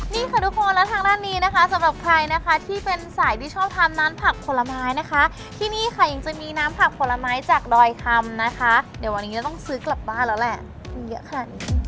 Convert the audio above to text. นี่ค่ะทุกคนและทางด้านนี้นะคะสำหรับใครนะคะที่เป็นสายที่ชอบทำน้ำผักผลไม้นะคะที่นี่ค่ะยังจะมีน้ำผักผลไม้จากดอยคำนะคะเดี๋ยววันนี้จะต้องซื้อกลับบ้านแล้วแหละมีเยอะขนาดนี้